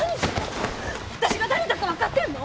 私が誰だか分かってんの！？